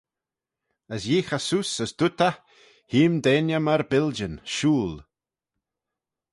As yeeagh eh seose, as dooyrt eh, Hee-ym deiney myr biljyn, shooyll.